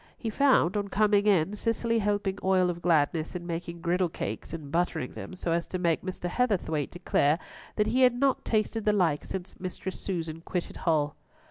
He found, on coming in, Cicely helping Oil of Gladness in making griddle cakes, and buttering them, so as to make Mr. Heatherthwayte declare that he had not tasted the like since Mistress Susan quitted Hull.